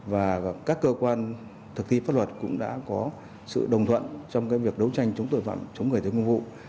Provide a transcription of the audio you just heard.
và các cơ quan thực thi pháp luật cũng đã có sự đồng thuận trong việc đấu tranh chống tội phạm chống người tới công vụ